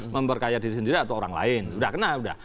memperkaya diri sendiri atau orang lain sudah kena